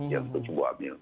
yang untuk ibu hamil